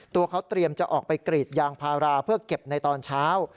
ตัวเขาเตรียมจะออกไปกรีดยางพาราเพื่อเก็บในตอนเช้า